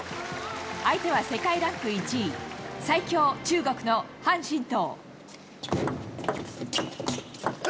相手は世界ランク１位、最強、中国の樊振東。